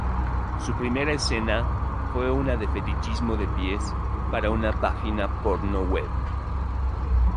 Su primera escena fue una de fetichismo de pies para una página porno web.